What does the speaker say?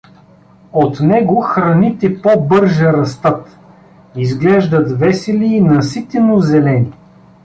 От него храните по-бърже растат, изглеждат весели и наситено зелени.